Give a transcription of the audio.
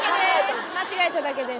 間違えただけです！